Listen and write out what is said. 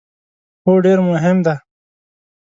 هو، ډیر مهم ده